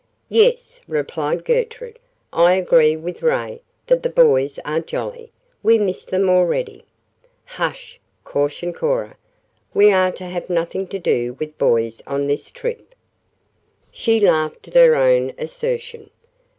"Yes," replied Gertrude, "I agree with Ray that the boys are jolly. We miss them already." "Hush!" cautioned Cora. "We are to have nothing to do with boys on this trip." She laughed at her own assertion.